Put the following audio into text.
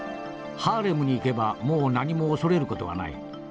『ハーレムに行けばもう何も恐れる事はない。